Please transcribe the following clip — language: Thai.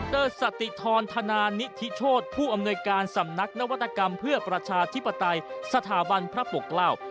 สติธรธนานิธิโชธผู้อำนวยการสำนักนวัตกรรมเพื่อประชาธิปไตยสถาบันพระปกเกล้า